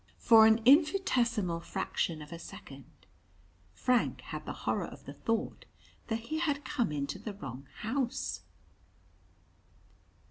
For an infinitesimal fraction of a second, Frank had the horror of the thought that he had come into the wrong house.